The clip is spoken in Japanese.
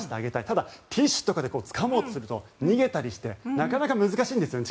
ただティッシュとかでつかもうとすると逃げたりしてなかなか難しいんですよね。